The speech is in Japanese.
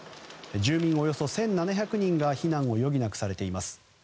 住民およそ１７００人が避難を余儀なくされています。